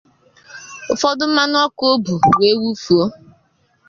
ụfọdụ mmanụọkụ o bu wee wụfuo.